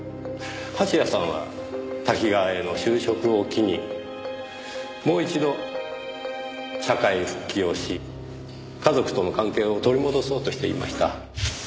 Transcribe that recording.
蜂矢さんはタキガワへの就職を機にもう一度社会復帰をし家族との関係を取り戻そうとしていました。